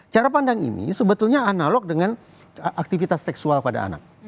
cara pandang ini sebetulnya analog dengan aktivitas seksual pada anak